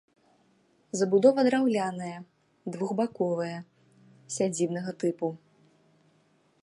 Забудова драўляная, двухбаковая, сядзібнага тыпу.